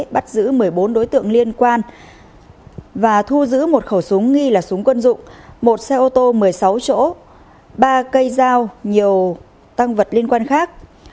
bắt giữ một mươi bốn đối tượng liên quan và thu giữ một khẩu súng nghi là súng quân dụng một xe ô tô một mươi sáu chỗ ba cây dao nhiều tăng vật liên quan khác